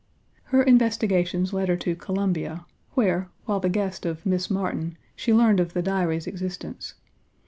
Her investigations led her to Columbia, where, while the guest of Miss Martin, she learned of the Diary's existence.